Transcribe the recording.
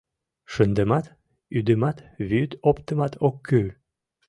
Шындымат, ӱдымат, вӱд оптымат ок кӱл.